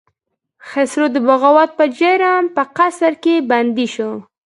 خسرو د بغاوت په جرم په قصر کې بندي شو.